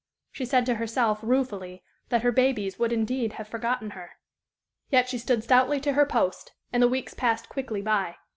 She said to herself, ruefully, that her babies would indeed have forgotten her. Yet she stood stoutly to her post, and the weeks passed quickly by.